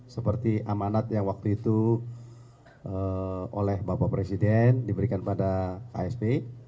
seperti amanat yang waktu itu oleh bapak presiden diberikan pada ksp